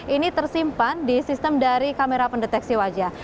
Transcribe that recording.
ini tersimpan di sistem dari kamera pendeteksi wajah